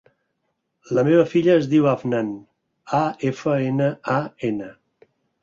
La meva filla es diu Afnan: a, efa, ena, a, ena.